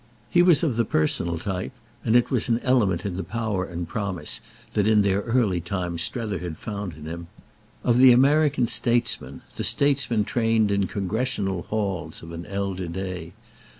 He was of the personal type—and it was an element in the power and promise that in their early time Strether had found in him—of the American statesman, the statesman trained in "Congressional halls," of an elder day.